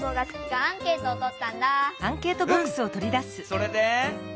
それで？